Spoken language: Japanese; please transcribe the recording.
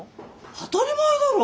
当たり前だろ！